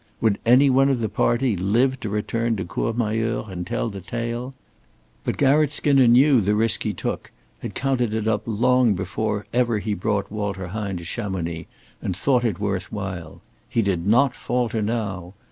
Would any one of the party live to return to Courmayeur and tell the tale? But Garratt Skinner knew the risk he took, had counted it up long before ever he brought Walter Hine to Chamonix, and thought it worth while. He did not falter now.